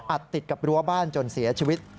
ติดกับรั้วบ้านจนเสียชีวิต